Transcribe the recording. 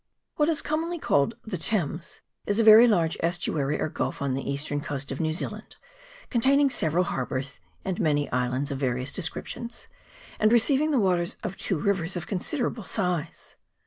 WHAT is commonly called the Thames is a very large estuary or gulf on the eastern coast of New Zealand, containing several harbours, and many islands of various dimensions, and receiving the waters of two rivers of considerable size.